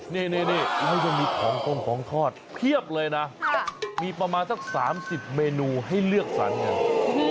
นี่เขายังมีของกงของทอดเพียบเลยนะมีประมาณสัก๓๐เมนูให้เลือกสรรกัน